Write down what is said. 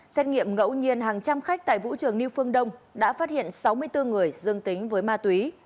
xét nghiệm ngẫu nhiên hàng trăm khách tại vũ trường new phương đông đã phát hiện sáu mươi bốn người dương tính với ma túy